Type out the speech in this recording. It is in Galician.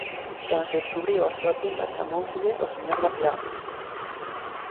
Cando se descubriu a súa tumba chamóuselle o "Señor da Pirámide".